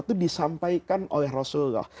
itu disampaikan oleh rasulullah